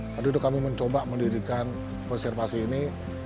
lalu kami mencoba mendirikan konservasi ini